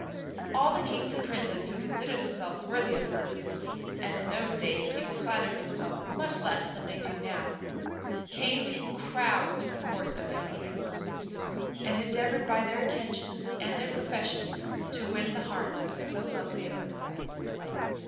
All the Kings and Princes who considered themselves worthy of her (and in those days people flattered themselves much less than they do now) came in crowds to the Court of Young and Handsome, and endeavoured by their attentions and their professions to win the heart of so lovely a Princess.